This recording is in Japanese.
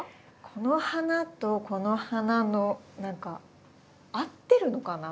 この花とこの花の何か合ってるのかな？